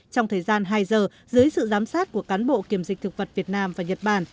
trong thời gian hai giờ dưới sự giám sát của cán bộ kiểm dịch thực vật việt nam và nhật bản